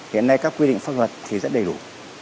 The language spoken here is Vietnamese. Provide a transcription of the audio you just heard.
hiện nay các quy định pháp luật thì rất đầy đủ